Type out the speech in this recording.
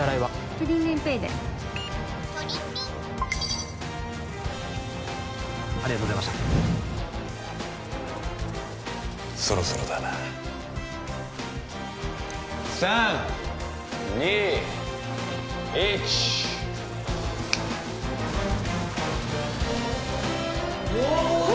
・トリンリンＰａｙでトリンリン・ありがとうございましたそろそろだな３２１おっ！